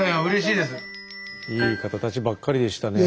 いい方たちばっかりでしたね。